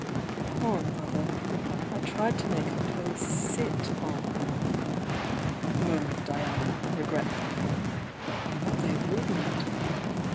"Poor mother! I tried to make her clothes sit on her," murmured Diana, regretfully. "But they wouldn't!"